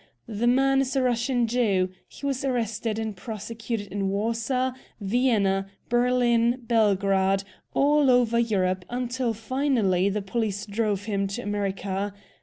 The man is a Russian Jew. He was arrested and prosecuted in Warsaw, Vienna, Berlin, Belgrade; all over Europe, until finally the police drove him to America.